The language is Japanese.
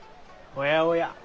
おやおや。